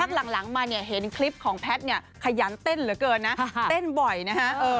หลังมาเนี่ยเห็นคลิปของแพทย์เนี่ยขยันเต้นเหลือเกินนะเต้นบ่อยนะฮะ